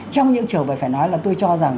trong những trường hợp phải nói là tôi cho rằng